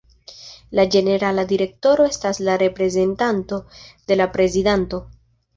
La ĝenerala direktoro estas la reprezentanto de la prezidanto.